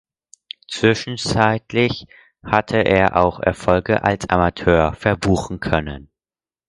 Zwischenzeitlich hatte er auch Erfolge als Amateur verbuchen können.